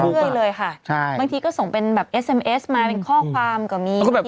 เรื่อยเลยค่ะบางทีก็ส่งเป็นแบบเอสเอ็มเอสมาเป็นข้อความก็มี